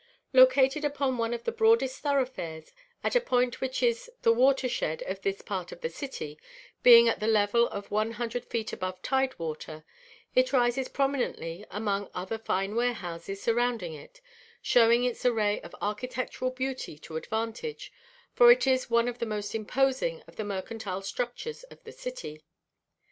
Located upon one of the broadest thoroughfares, at a point which is the water shed of this part of the city, being at the level of one hundred feet above tide water, it rises prominently among other fine warehouses surrounding it, showing its array of architectural beauty to advantage, for it is one of the most imposing of the mercantile structures of the city.